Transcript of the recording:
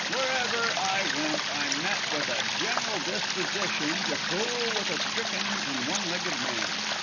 Wherever I went I met with a general disposition to fool with a stricken and one legged man.